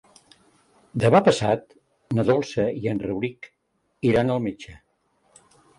Demà passat na Dolça i en Rauric iran al metge.